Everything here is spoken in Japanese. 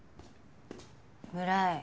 村井。